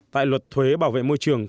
tại luật thuế bảo vệ môi trường